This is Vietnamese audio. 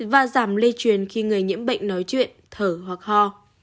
và giảm lây truyền khi người nhiễm bệnh nói chuyện thở hoặc ho